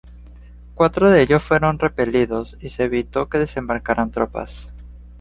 Cuatro de ellos fueron repelidos y se evitó que desembarcaran tropas.